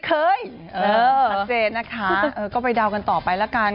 ชัดเจนนะคะก็ไปเดากันต่อไปละกัน